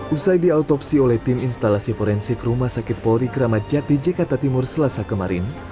usai diautopsi oleh tim instalasi forensik rumah sakit polri kramat jati jakarta timur selasa kemarin